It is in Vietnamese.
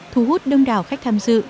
thú hút đông đảo khách tham dự